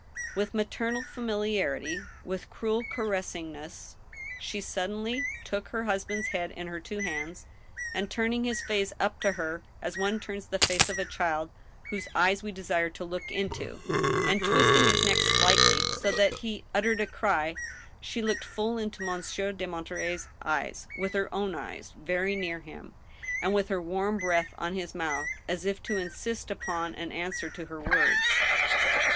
With maternal familiarity, with cruel caressing^ess, she suddenly took her husband's head in her two hands, and, turning his face up to her as one turns the face of a child whose eyes we desire to look into, and twisting his neck slightly so that he uttered a cry, she looked full into Monsieur de Monterey's eyes, with her own eyes very near him, and with her warm breath on his mouth, as if to in sist upon an answer to her words.